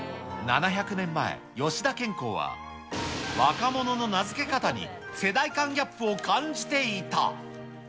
７００年前、吉田兼好は若者の名付け方に、世代間ギャップを感じていた。